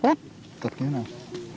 đất cái nào